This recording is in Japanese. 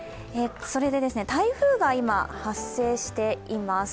台風が今、発生しています。